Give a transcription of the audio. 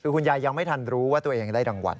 คือคุณยายยังไม่ทันรู้ว่าตัวเองได้รางวัล